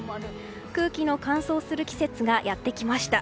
空気の乾燥する季節がやってきました。